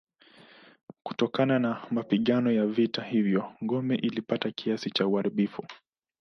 Kutokana na mapigano ya vita hivyo ngome ilipata kiasi cha uharibifu.